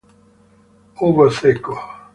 Hugo Seco